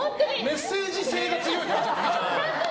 メッセージ性が強いから。